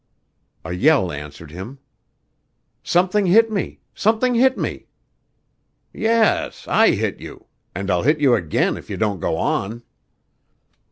A yell answered him. "Something hit me! Something hit me!" "Yes, I hit you; and I'll hit you again if you don't go on."